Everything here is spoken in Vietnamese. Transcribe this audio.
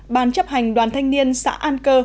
ban chấp hành đoàn thanh niên xã an cơ